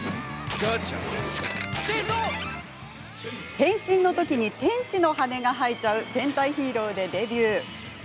変身のとき天使の羽が生えちゃう戦隊ヒーローでデビュー。